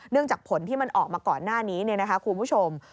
จากผลที่มันออกมาก่อนหน้านี้คุณผู้ชม